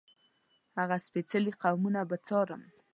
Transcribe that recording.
هغه سپېڅلي قدمونه به څارم.